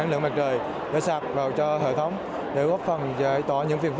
nhưng khác ở chỗ phát triển